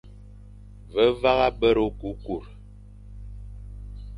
Ve vagha bere okukur,